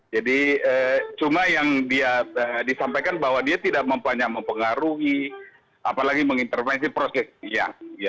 jadi cuma yang disampaikan bahwa dia tidak mempunyai pengaruhi apalagi mengintervensi proyeknya